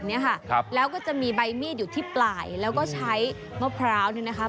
เนี้ยค่ะครับแล้วก็จะมีใบมีดอยู่ที่ปลายแล้วก็ใช้มะพร้าวเนี่ยนะคะ